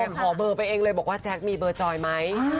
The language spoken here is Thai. แต่ขอเบอร์ไปเองเลยบอกว่าแจ๊คมีเบอร์จอยไหม